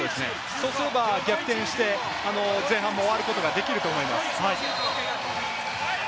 そうすれば逆転して前半を終わることができると思います。